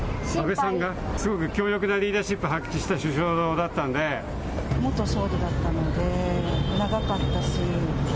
安倍さんはすごい強力なリーダーシップを発揮した首相元総理だったので、長かったし。